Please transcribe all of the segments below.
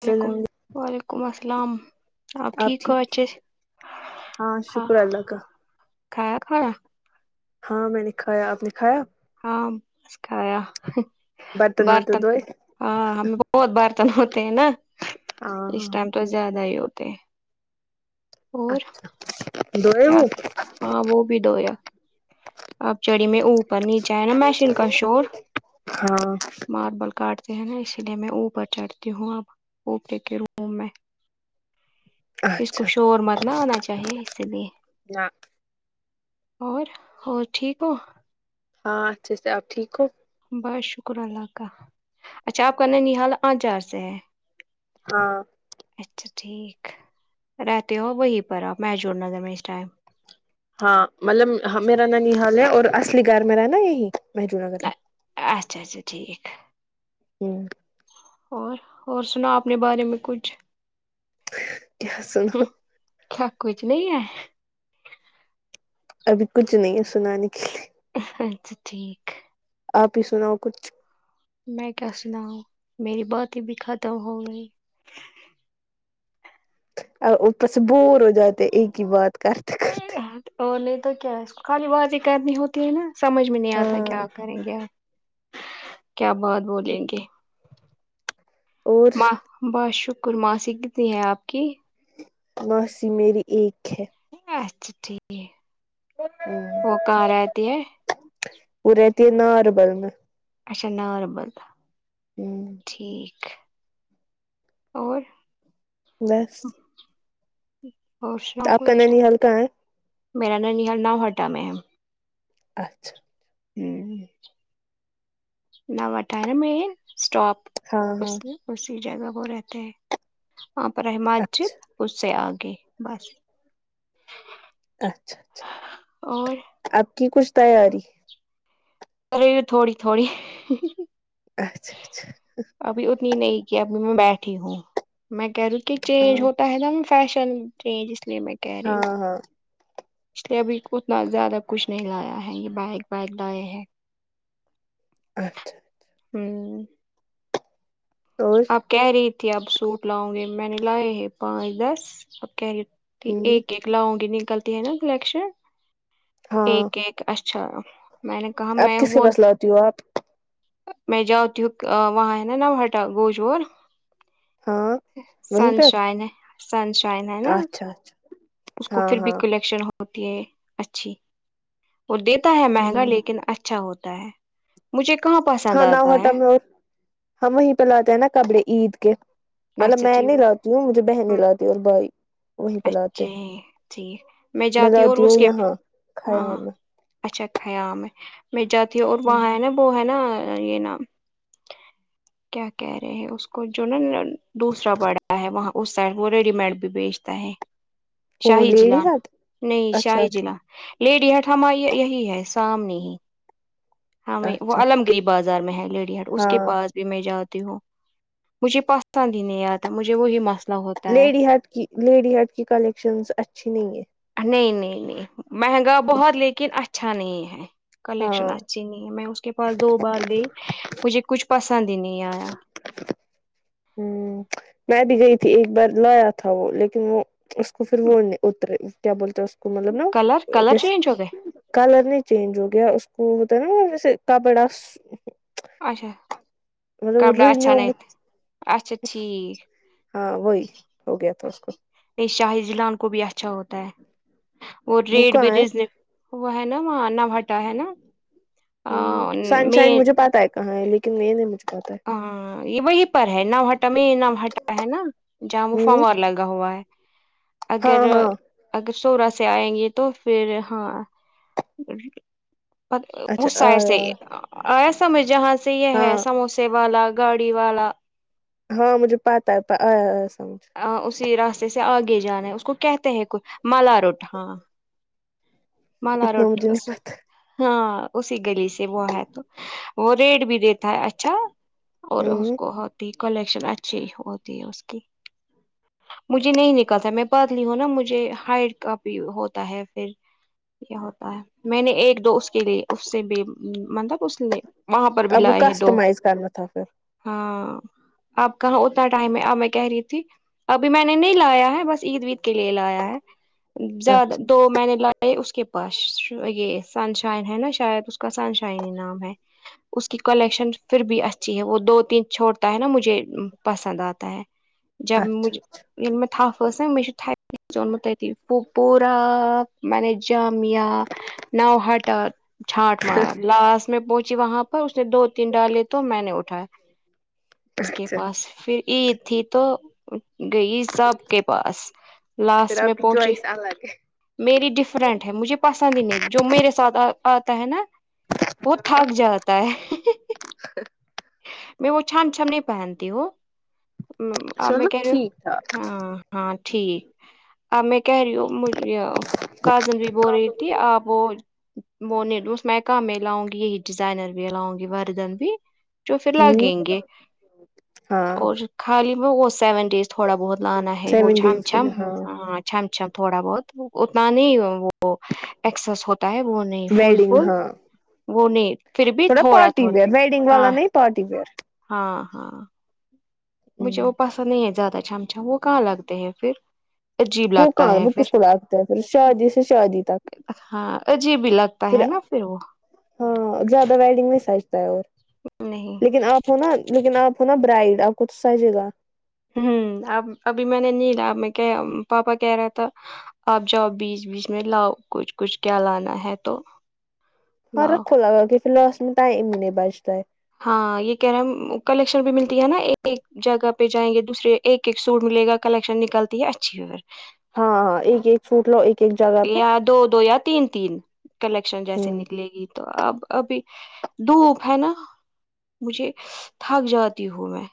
علیکم وعلیکم السلام آپ ٹھیک ہو اچھے سے ہاں شکر اللہ کا کھایا کھانا ہاں میں نے کھایا آپ نے کھایا ہاں بس کھایا ورتن برتن دھوئے ہاں ہم بہت برتن ہوتے ہیں نا ہاں اس ہاں ٹائم تو زیادہ ہی ہوتے ہیں اور اچھا دھوئے کیا وہ کر ہاں وہ بھی دھویا آپ چڑھی میں او پر نیچے ہے نا مشین کا شور ہاں ماربل کاٹ یہ ہے نا اسی لیے میں اوپر چڑھتی ہوں اب اوپر ہی کے روم روم میں اس کو اچھا شور مت نہ آنا چاہیے اسی لیے نہ اور اور ٹھیک ہو ہاں اچھے سے آپ ٹھیک ہو بس شکر اللہ کا اچھا آپ کا ننہال آچہار سے ہے ہاں اچھا ٹھیک رہتے ہو وہیں پر آپ میں جوڑ نظر میں اس ٹائم ہاں مطلب ہاں میرا ننہال ہے اور اصلی گھر میرا ہے نا یہیں محجو نگر میں اچھا اچھا ٹھیک ہوں اور اور سناؤ اپنے بارے میں کچھ کیا سناؤ کیا کچھ نہیں ہے ابھی کچھ نہیں ہے سنانے کے لیے اچھا اچھا ٹھیک آپ ہی سناؤ کچھ میں کیا سناو میری باتیں بھی ختم ہو گئی ا اوپر سے بور ہو جاتے ایک ہی بات کرتے کر اور نہیں تو کیا خالی بات ہی کرنی ہوتی ہے نا سمجھ میں نہیں آتا ہاں کیا کریں گے کیا بات بولیں گے اور ما بہ شکر ماسی کتنی ہے آپ کی ماسی میری ایک ہے ماسی ٹھیک ہے ہے وہ رہتی ہے نا ناربل میں اچھا ناربل ہوں ٹھیک اور بس [inaudible] آپ کا کچھ ننہال کہاں ہے میرا ننہال ناوہٹا میں ہے اچھا ہوں نو ناوہٹا میں ہے اسٹاپ ہاں ہاں اسے اسی جگہ وہ رہتے ہیں وہاں پر ہے مسجد اچھا اس سے آگے بس اچھا اچھا اور آپ کی کچھ تیاری ہوئی ہے تھوڑی تھوڑی اچھا اچھا ابھی اتنی نہیں کیا ابھی میں بیٹھی ہوں میں کہہ رہی کہ ہاں چینج ہوتا ہے نہ فیشن چینج اس لیے میں کہہ رہی ہوں ہاں ہاں اس لیے ابھی اتنا زیادہ کچھ نہیں لایا ہے یہ بائک بائک لائے ہیں اچھا ہوں اور کہہ رہی تھی اب سوٹ لاؤں گے میں نے لائے ہیں پانچ دس اب کہہ رہی تھی ہ ایک ایک لاؤ گی نکلتی ہے نا کلیکشن ہاں ایک ایک اچھا میں نے کہا آپ میں کس کے ہوں پاس لاتی ہو آپ میں جاؤ تی ہوک وہاں ہے نا نوہٹا گوشور اور سن شائن ہے سن شائن ہے نا اچھا اچھا اس کو ہاں پھر بھی ہاں کلیکشن ہو ہوتی ہے اچھی وہ دیتا ہے ہ مہنگا لیکن اچھا ہوتا ہے مجھے کہاں پر ہاں ن ہوٹل میں ہم وہیں پہ لاتے ہیں نا کبڑے عید کے مطلب اچھا میں ٹھیک نہیں ہے لات وہ مجھے بہن لاتی اور بھائی وہیں پہ لاتے اچھے ٹھیک میں جاتی ہوں اور لاتی اس کے یہاں کھیا ہاں میں اچھا خیام ہے میں جاتی ہوں اور ہاں وہاں ہے نا وہ ہے نا یہ نام کیا کہہ رہے ہیں اس کو جو نا دوسرا بڑا ہے وہاں اس سائڈ وہ ریڈی میڈ بھی بیچ تا ہے کون شاہ لیڈی جیلان ہاتھ نہیں اچھا شاہ اچھا جیلان لیڈی ہٹ ہما یہی ہے سامنے ہی ہاں وہی وہ اچھا علم گری بازار میں ہے لیڈی ہٹ اس کے ہاں پاس میں جاتی ہوں مجھے پسند ہی نہیں آتا ہے مجھے وہی مسئلہ ہو لیڈی ہٹ کی لیڈی ہٹ کی کلیکشنس اچھی نہیں ہے نہیں نہیں نہیں مہنگا بہت لیکن اچھا نہیں ہے کلیکشن ہاں اچھی نہیں ہے میں اس کے پاس دو بار گئی مجھے کچھ پسند ہی نہیں آیا ہوں میں بھی گئی تھی ایک بار لایا تھا وہ لیکن وہ اس کو پھر وہ نے اترے کیا بولتے اس کو مطلب نا کلر کلر دیز چینج ہو گئے کلر نی چینج ہو گیا اس کو ہوتا ہے نا سے کا بڑا اچھا کپڑا اچھا رینیو نہیں تھا اچھا ٹھیک ہاں وہی ہو گیا تھا اس کو شاہ جیلان کو بھی اچھا ہوتا ہے اور وہ ریٹ بھی کہاں ہے ریزل وہ ہے نا وہاں نو ہٹا ہے نا آ، ہاں سن شائن میں مجھے پتا ہے کہاں ہے لیکن یہن مجھے پتا ہاں یہ وہی پر ہے نوہٹا میں نوہٹا ہے نا جہاں وہ ہے ہ فاور لگا ہوا ہے ہاں اگر ہاں اگر سورت سے آئیں گے تو پھر ہاں پ اچھا اس سائڈ آیا سے ایسا میں جہاں سے یہ ہے ہاں سموسے والا گاڑی والا ہاں مجھے پتہ ہے آیا سمجھ میں آ اسی راستے سے آگے جانا ہے اس کو کہتے ہیں کوئی ملا روٹ ہاں ملا اتنا مجھے روٹس نہیں پتا ہاں اسی گلی سے وہ ہے تو وہ ریڈ بھی دیتا ہے اچھا اور ہ اس کو ہو ٹی کلیکشن اچھی ہوتی ہے اس کی مجھے نہیں نکلتا میں پتلی ہوں نا مجھے ہائٹ کا بھی ہوتا ہے پھر یہ ہوتا ہے میں نے ایک دو اس کے لیے اس سے بھی مطلب اس نے وہاں پر بھی آپ کو لائے ہیں دو کسٹمائز کرنا تھا پھر ہاں آپ کہاں اتنا ٹائم ہے اب میں کہہ رہی تھی ابھی میں نے نہیں لایا ہے بس عید وید کے لیے لایا ہے زیادہ اچھا دو میں نے لا اس کے پاس یہ سن شائن ہے نا شاید اس کا سن شائن نام ہے اس کی کلیکشن پھر بھی اچھی ہے وہ دو تین چھوڑتا ہے نا مجھے پسند آتا ہے [inaudible] جب مجے یل میں تھپس نا میں چ تھپ اونمت ت پ پورا [unintelligible] میں نے جامیا نو ہٹا چھانٹ مارا لاسٹ میں پہنچی وہاں پر اس نے دو تین ڈالے تو میں نے اٹھایا اس کے اچھا پاس پھر عید تھی تو گئی سب کے پاس پھر لاسٹ آپ میں کی پہنچی چوائس الگ ہے میری ڈفرنٹ ہے مجھے پسند ہی نہیں جو میرے ساتھ آتا ہے نا وہ تھک جاتا ہے میں وہ چھم چھم نہیں پہنتی ہوں اب میں چلو کہہ رہی ہوں ٹھیک تھا ہاں ہاں ٹھیک اب میں کہہ رہی ہو یہ کاجل بھی بول ہو رہی تھی آپ وہ وہ اس میں کا میں لاؤں گی یہی ڈیزائنر بھی لاؤں گی وردن بھی جو پھر ہوں لگیں گے ہاں اور خالی میں وہ سیون ڈیز تھوڑا بہت لانا ہے وہ سیون چھم ڈیز کے چھم لیے ہاں چھم چھم تھوڑا بہت اتنا نہیں وہ ایکسس ہوتا ہے وہ نہیں فول ویڈنگ فول ہاں وہ ن تھوڑا پارٹی ویئر ویڈنگ والا نہیں پارٹی ویئر ہاں ہاں ہوں مجھے وہ پسند نہیں ہے زیادہ چھم چھم وہ کہاں لگتے ہیں پھر عجیب وہ لگتا کہاں ہے وہ کس پھر کو لگتا ہے پھر شادی سے شادی تک ہاں عجیب ہی لگ تا ہے نا پھر وہ ہاں زیادہ ویڈنگ میں سجتا ہے نہیں لیکن آپ ہو نا لیکن آپ ہو نا برائڈ آپ کو تو سجے گا ہوں اب ابھی میں نے نلا میں پاپا کہہ رہا تھا آپ جاؤ بیج بیج میں لاؤ کچھ کچھ کیا لانا ہے تو پر لاؤ اسکو لگا کہ فی الحال اس میں ٹائم نہیں بچتا ہے ہاں یہ کہہ رہے ہیں کلیکشن بھی ملتی ہے نا ایک جگہ پہ جائیں گے دوسرے ایک ایک سوٹ ملے گا کلیکشن نکلتی ہے اچھی ہو ہاں ہاں ایک ایک فوٹ لو ایک ایک جگہ پہ یا دو دو یا تین تین کلیکشن جیسے ہوں نکلے گی تو اب ابھی دھوپ ہے نا مجھے تھک جاتی ہوں میں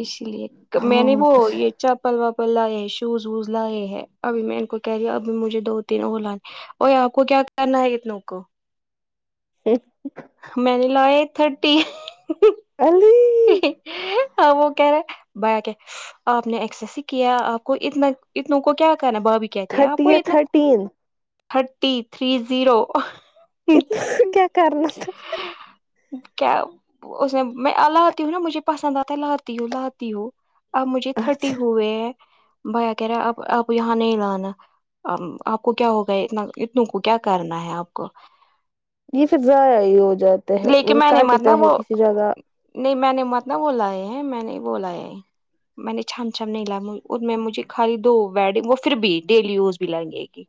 اس لیے میں نے وہ ہاں یہ چپل واپل لائے ہیں شوز ووز لائے ہے ابھی میں ان کو کہہ رہی ہوں ابھی مجھے دو تین اور لانے اور آپ کو کیا کرنا ہے اتنو کو ایک میں نے لائے تھرٹی ای ا وہ کہ رہے بیا کہ [unintelligible] آپ نے ایسرس ہی کیا آپ کو اتنا اتنوں کو کیا کرنا بھابھی کہ آ تھرٹی یا کوئی اتنا تھرٹین تھرٹی تھری زیرو اتنا کیا کرنا تھا کیا اس میں میں لاتی ہوں نا مجھے پسند آتا لاتی ہوں لاتی ہوں اب مجھے تھرٹی اچھا ہوئے ہیں بھایا کہہ رہا اب آپ یہاں نہیں لانا آپ کو کیا ہوگا اتنا اتنوں کو کیا کرنا ہے آپ کو یہ پھر ضائع ہی ہو جاتا ہے لیکن مطلب میں نے مت نا کاٹتے ہے وہ کسی جگہ نہیں میں نے مطلب بولا یہ ہے میں نہیں بولایا ہے میں نے چھن چھن نہیں لے میں مجھے خالی دو ویڈنگ وہ پھر بھی ڈیلی یوز بھی لگے گی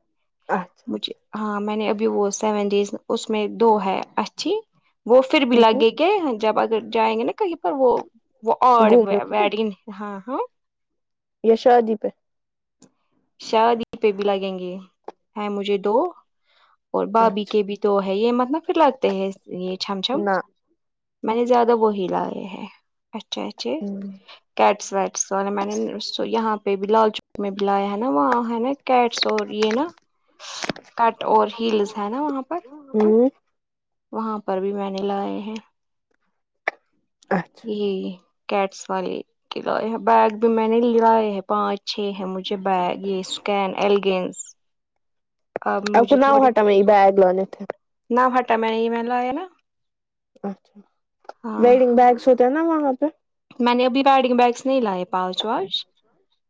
اچھا مجھے ہاں میں نے ابھی وہ سیون ڈیز اس میں دو ہے اچھی وہ پھر بھی لگے گے جب اگر جائیں گے نا کہیں پر وہ وہ اور گھومنے بیڈی ہاں ہاں یہ شادی پہ شادی پہ بھی لگیں گے ہیں مجھے دو اور بھابھی کے اچھا بھی تو ہے یہ مطلب پھر لگتے ہے یہ چھم چھم نہ میں نے زیادہ وہی لائے ہیں اچھے اچھے کیٹس ویٹس والے میں نے یہاں پہ بھی لال چوک میں بھی لایا ہے نا وہاں ہے نا کیٹس اور یہ نا کٹ اور ہلس ہے نا وہاں پر ہوں وہاں پر بھی میں نے لائے ہیں اچھا جی کیٹس والے کے لائے ہیں بیگ بھی میں نے لائے ہیں پانچ چھ ہے مجھے بیگ یہ کیین ایلگینس اب آ کو مجھے نؤ تھوڑے ہاٹا میں یہ بیگ لانے تھے نہ ہاٹا میں ہی میں لاے نا اچھا ہاں ویڈنگ بیگس ہوتے ہیں نا وہاں پہ میں نے ابھی وبیڈگ بیگس نہیں لائے پانچ واچ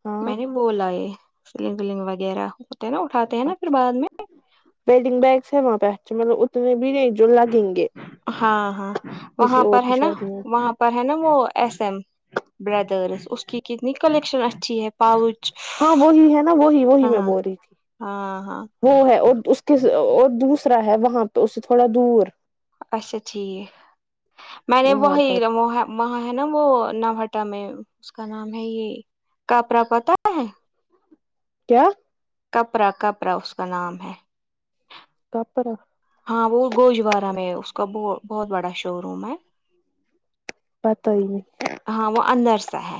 ہاں میں نے وہ لائے سیلنگ ولنگ وغیرہ ہوتے ہیں نا اٹھاتے ہیں نا پھر بعد میں ویڈنگ بیگس ہے وہاں پہ اچھے مطلب اتنے بھی نہیں جو لگیں گے ہاں ہاں کسی وہاں اور پر کی ہے نا شادی میں وہاں پر ہے نا وہ ایس ایم بردرس اس کی کتنی کلیکشن اچھی ہے پؤچ ہاں وہی ہے نا وہی وہی میں بول رہی تھی ہاں ہاں وہ ہے اور کس اور دوسرا ہے وہاں پہ اس سے تھوڑا دور اچھا ٹھیک میں نے وہ وہاں پر میں ہے وہاں ہے نا وہ نوٹا میں اس کا نام ہے یہ کاپرا پتا ہے کیا کپرا کپرا اس کا نام ہے کپرا ہاں وہ گوجوارہ میں اس کا بہت بڑا شو روم ہے پتئی نہیں ہاں وہ اندر سا ہے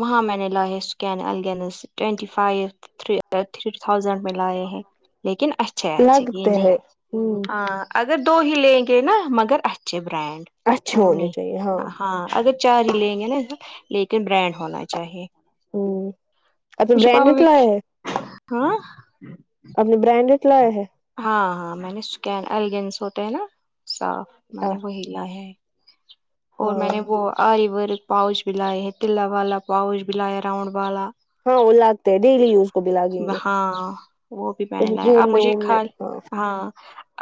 وہاں میں نے لائے ہے سکین الگینس ٹینٹی فائیو تھ تھ تھازینڈ میں لائے ہیں لیکن اچھا اچھا یہ لگتے نہیں ہے ہ ہاں اگر دو ہی لیں گے نا مگر اچھے برانڈ ا اچھے ہونے نہیں چاہیے ہاں اگر چار ہی لیں گے نا لیکن برانڈ ہونا چاہیے ہوں ابھی مجھے پاپا برانڈیڈ بھی لاے ہے ہاں آپنے برانڈڈ لائے ہے ہاں ہاں میں نے سکں الگس ہوتے ہے نا ایسا میں ہاں نے وہ لائے ہیں اور میں نے وہ آئیور پاؤچھ بھی لائے ہیں تلا والا پاؤچھ بھی لایا راؤنڈ والا ہو لاتے ڈلی یز ہاں وہ بھی پہنے کہیں لا اب گھومنے مجھے وومنے کھا ہاں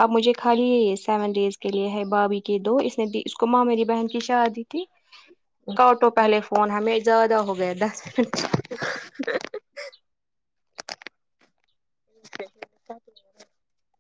اب مجھے خالی سیون ڈیز کے لیے ہے بھابھی کے دو اس نے دی اس کو مومری بہن کی شادی تھی کاٹو پہلے فون ہمیں زیادہ ہو گیا دس منٹ [inaudible] [inaudible]